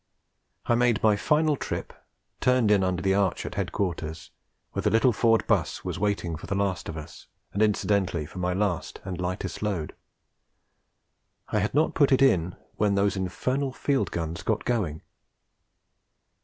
I made my final trip, turned in under the arch at headquarters, where the little Ford 'bus was waiting for the last of us, and incidentally for my last and lightest load. I had not put it in when those infernal field guns got going.